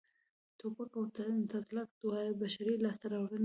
ټوپک او تلتک دواړه بشري لاسته راوړنې دي